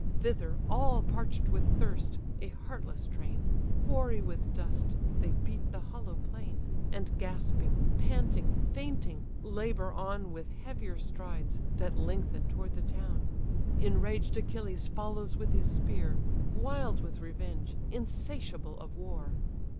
Thither, all parch'd with thirst, a heartless train, Hoary with dust, they beat the hollow plain: And gasping, panting, fainting, labour on With heavier strides, that lengthen toward the town. Enraged Achilles follows with his spear; Wild with revenge, insatiable of war.